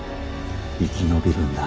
生き延びるんだ。